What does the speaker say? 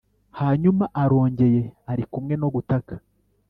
hanyuma, arongeye arikumwe no gutaka